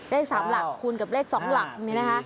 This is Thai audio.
เลข๓หลักคูณกับเลข๒หลักนี่นะคะ